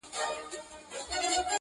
خوگراني زه نو دلته څه ووايم,